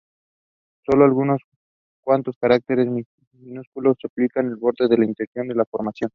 Solo unos cuantos cráteres minúsculos salpican el borde y el interior de esta formación.